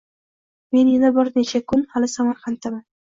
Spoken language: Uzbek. Men yana bir necha kun hali Samarqanddaman.